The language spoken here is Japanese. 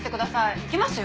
行きますよ。